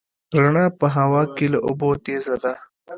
رڼا په هوا کې له اوبو تېزه ده.